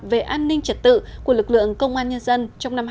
về an ninh trật tự của lực lượng công an nhân dân trong năm hai nghìn một mươi tám